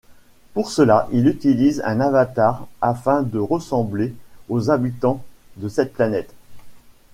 Pour cela, ils utilisent un avatar afin de ressembler aux habitants de cette planète.